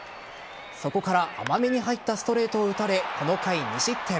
そこから甘めに入ったストレートを打たれこの回、２失点。